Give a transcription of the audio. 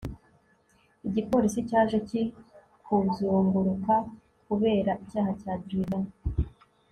igipolisi cyaje kikuzunguruka kubera icyaha cya drivin